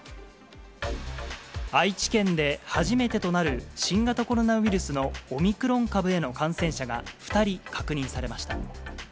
愛知県で初めてとなる、新型コロナウイルスのオミクロン株への感染者が２人確認されました。